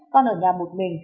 con ở nhà một mình